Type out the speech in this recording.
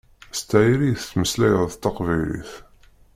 S tayri i tettmeslayeḍ taqbaylit.